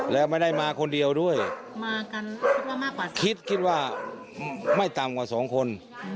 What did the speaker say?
แล้วไม่ได้มาคนเดียวด้วยคิดว่าไม่ต่ำกว่าสองคน